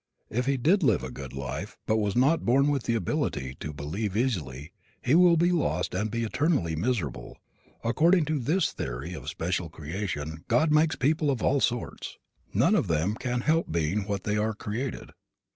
If he did live a good life, but was not born with the ability to believe easily, he will be lost and will be eternally miserable. According to this theory of special creation God makes people of all sorts. None of them can help being what they are created.